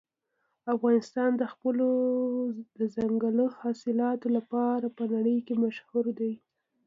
افغانستان د خپلو دځنګل حاصلاتو لپاره په نړۍ کې مشهور دی.